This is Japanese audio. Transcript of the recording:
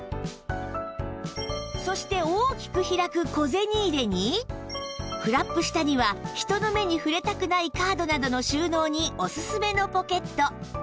そして大きく開く小銭入れにフラップ下には人の目に触れたくないカードなどの収納におすすめのポケット